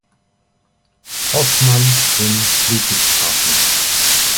Hoffmann" in Ludwigshafen.